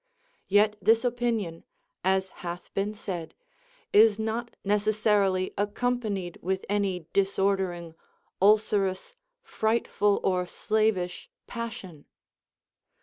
Yet this opinion (as hath been said) is not neces sarily accompanied with any disordering, ulcerous, frightful, or slavish passion.